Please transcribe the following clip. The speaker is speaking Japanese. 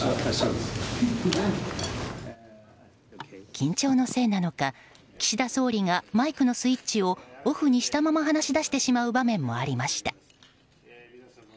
緊張のせいなのか、岸田総理がマイクのスイッチをオフにしたまま話し出してしまう場面もありました。